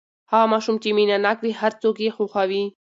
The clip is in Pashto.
هغه ماشوم چې مینه ناک وي، هر څوک یې خوښوي.